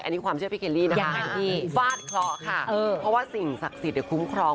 อันนี้ความเชื่อพี่เคลลี่นะคะฟาดเคราะห์ค่ะเพราะว่าสิ่งศักดิ์สิทธิ์คุ้มครอง